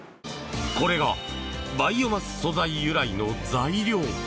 これがバイオマス素材由来の材料。